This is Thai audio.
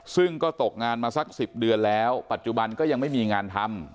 ซึ่งก็ตกงานมาสัก๑๐เดือนแล้วปัจจุบันก็ยังไม่มีงานทำ